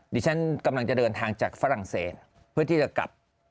ดิฉันกำลังจะเดินทางจากฝรั่งเศสเพื่อที่จะกลับ